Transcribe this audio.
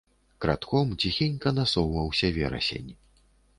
Крадком, ціхенька насоўваўся верасень.